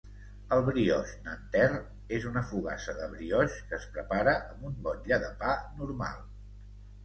El "brioix Nanterre" és una fogassa de brioix que es prepara amb un motlle de pa normal.